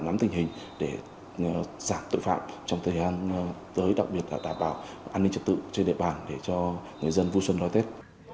nắm tình hình để giảm tội phạm trong thời gian tới đặc biệt là đảm bảo an ninh trật tự trên địa bàn để cho người dân vui xuân đón tết